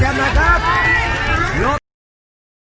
สวัสดีครับ